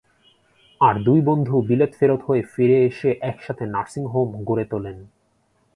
আর দুই বন্ধু বিলেত ফেরত হয়ে ফিরে এসে একসাথে নার্সিং হোম গড়ে তোলেন।